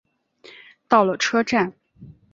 到了车站